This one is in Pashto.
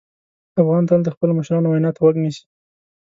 افغان تل د خپلو مشرانو وینا ته غوږ نیسي.